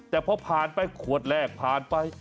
แต่พอผ่านไปขวดแรกผ่านไป